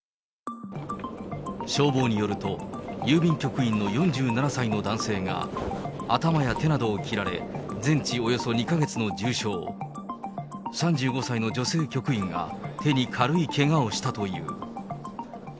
消防によると、郵便局員の４７歳の男性が、頭や手などを切られ、全治およそ２か月の重傷、３５歳の女性局員が手に軽いけがをしたという。